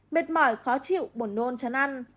biệt mỏi khó chịu buồn nôn chán ăn